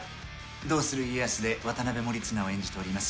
「どうする家康」で渡辺守綱を演じております